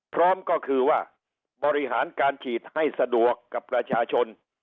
พร้อมก็คือว่าบริหารการฉีดให้สะดวกกับประชาชน